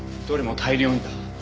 どれも大量にだ。